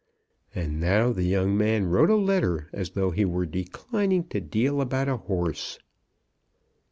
And now the young man wrote a letter as though he were declining to deal about a horse!